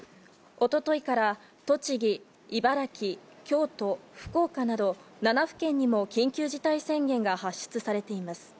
おとといから栃木、茨城、京都、福岡など、７府県にも緊急事態宣言が発出されています。